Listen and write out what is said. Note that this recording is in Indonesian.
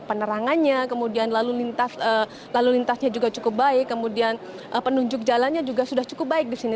penerangannya kemudian lalu lintasnya juga cukup baik kemudian penunjuk jalannya juga sudah cukup baik di sini